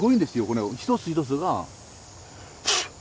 この一つ一つが。